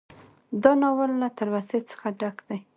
دا ناول له تلوسې څخه ډک دى